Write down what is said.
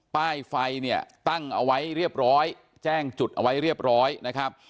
ป้ายไฟเนี่ยตั้งเอาไว้เรียบร้อยแจ้งจุดเอาไว้เรียบร้อยนะครับ